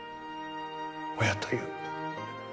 親という